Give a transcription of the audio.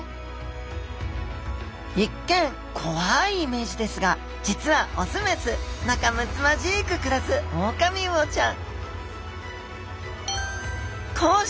一見怖いイメージですが実は雄雌仲むつまじく暮らすオオカミウオちゃん。